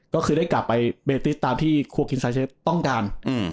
ก็คือได้กลับไปเบติสตามที่ครัวกินซาเชฟต้องการ